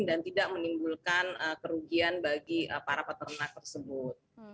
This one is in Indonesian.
dan tidak menimbulkan kerugian bagi para peternak tersebut